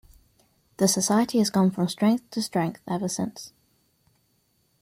The society has gone from strength to strength ever since.